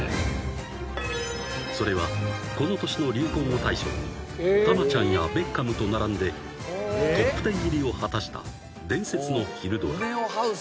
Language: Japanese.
［それはこの年の流行語大賞に「タマちゃん」や「ベッカム」と並んでトップ１０入りを果たした伝説の昼ドラ］